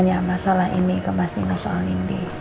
nanya masalah ini ke mas nino soal nindi